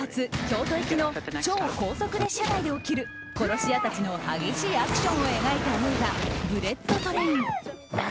京都行きの超高速列車内で起きる殺し屋たちの激しいアクションを描いた映画「ブレット・トレイン」。